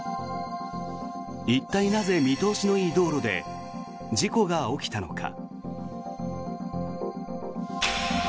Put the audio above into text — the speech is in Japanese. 一体なぜ、見通しのいい道路で事故が起きたのか。